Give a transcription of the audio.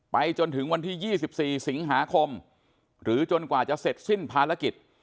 จนถึงวันที่๒๔สิงหาคมหรือจนกว่าจะเสร็จสิ้นภารกิจ